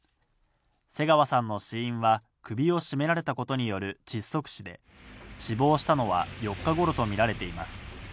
瀬川さんの死因は首を絞められたことによる窒息死で、死亡したのは４日頃とみられています。